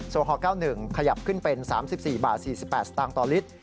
โซฮอล์๙๑ขยับขึ้นเป็น๓๔๔๘บาทต่อลิตร